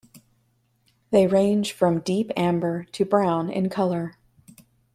They range from deep amber to brown in colour.